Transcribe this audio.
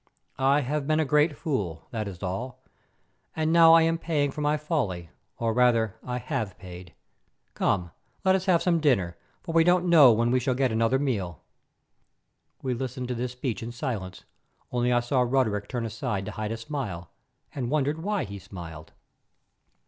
I have been a great fool, that is all, and now I am paying for my folly, or, rather, I have paid. Come, let us have some dinner, for we don't know when we shall get another meal." We listened to this speech in silence, only I saw Roderick turn aside to hide a smile and wondered why he smiled.